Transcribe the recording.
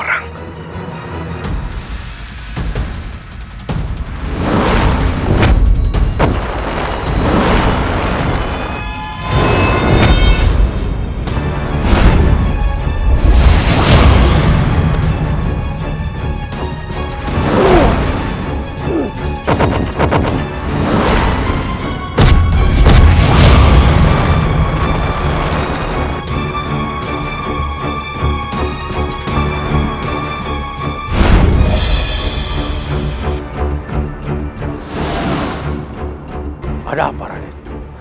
ada apa radit